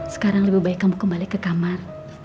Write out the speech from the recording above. sekarang lebih baik kamu kembali ke kamar